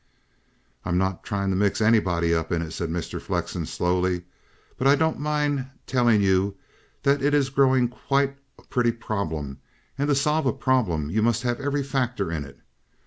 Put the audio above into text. "I'm not trying to mix anybody up in it," said Mr. Flexen slowly. "But I don't mind telling you that it is growing quite a pretty problem, and to solve a problem you must have every factor in it.